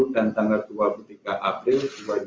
dan tanggal dua puluh tiga april dua ribu dua puluh